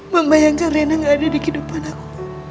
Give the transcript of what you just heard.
membayangkan rena gak ada di kehidupan aku